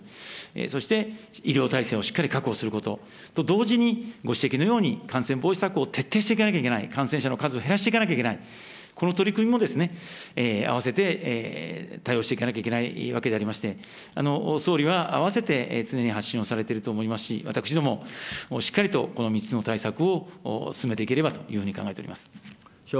そして、医療体制をしっかり確保すること。と同時にご指摘のように感染防止策を徹底していかなきゃいけない、感染者の数を減らしていかなきゃいけない、この取り組みも併せて対応していかなきゃいけないわけでありまして、総理は併せて常に発信をされていると思いますし、私ども、しっかりとこの３つの対策を進めていかなければというふうに考えております。